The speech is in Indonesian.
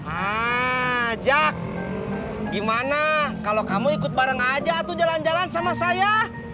ajak gimana kalau kamu ikut bareng aja atau jalan jalan sama saya